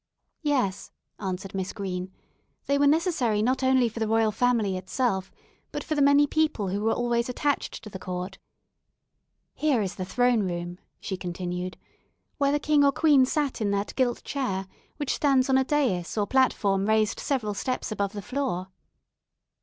"Yes," answered Miss Green, "they were necessary not only for the Royal Family itself, but for the many people who were always attached to the court. "Here is the 'throne room,'" she continued, "where the king or queen sat in that gilt chair which stands on a dais or platform raised several steps above the floor."